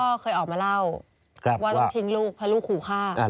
ก็เคยออกมาเล่าว่าต้องทิ้งลูกเพราะลูกขู่ฆ่า